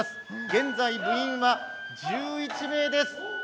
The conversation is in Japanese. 現在、部員は１１名です。